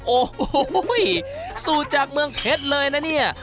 โอ้โหสูตรจากเมืองเพชรเลยนะเนี่ย